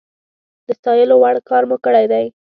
د ستايلو وړ کار مو کړی دی